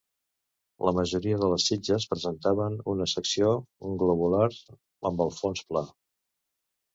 La majoria de les sitges presentaven una secció globular amb el fons pla.